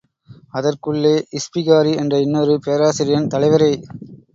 அதற்குள்ளே, இஸ்பிகாரி என்ற இன்னொரு பேராசிரியன், தலைவரே!